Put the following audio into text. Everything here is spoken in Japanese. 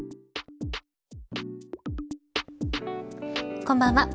こんばんは。